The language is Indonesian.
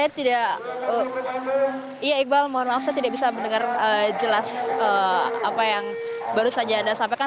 ya iqbal saya tidak bisa mendengar jelas apa yang baru saja anda sampaikan